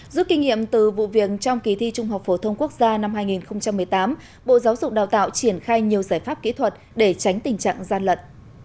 rút kinh nghiệm từ vụ viện trong kỳ thi trung học phổ thông quốc gia năm hai nghìn một mươi tám bộ giáo dục đào tạo triển khai nhiều giải pháp kỹ thuật để tránh tình trạng gian lận